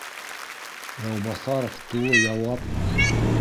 — Яубаҫаров тулы яуап